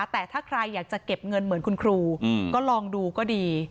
แต่ถ้าใครอยากจะเก็บเงินเหมือนคุณครูก็ลองดูก็ดี